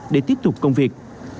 để tiếp tục công việc